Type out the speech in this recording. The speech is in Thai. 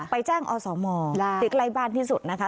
ไปแจ้งอสมที่ใกล้บ้านที่สุดนะคะ